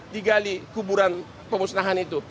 digali kuburan pemusnahan itu